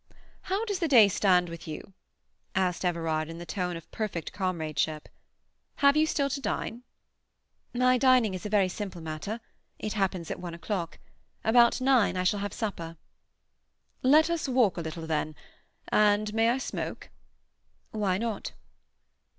"How does the day stand with you?" asked Everard in the tone of perfect comradeship. "Have you still to dine?" "My dining is a very simple matter; it happens at one o'clock. About nine I shall have supper." "Let us walk a little then. And may I smoke?" "Why not?"